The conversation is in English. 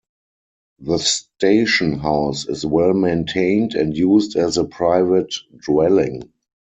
The station house is well maintained and used as a private dwelling.